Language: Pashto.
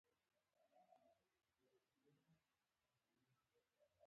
دوی باید په سم نیت په اعتراضونو کې ګډون وکړي.